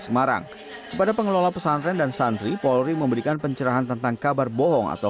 semarang kepada pengelola pesantren dan santri polri memberikan pencerahan tentang kabar bohong atau